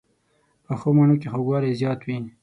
پخو مڼو کې خوږوالی زیات وي